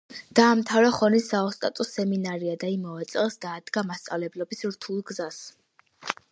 დაამთავრა ხონის საოსტატო სემინარია და იმავე წელს დაადგა მასწავლებლობის რთულ გზას.